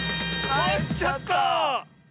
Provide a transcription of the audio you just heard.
かえっちゃった！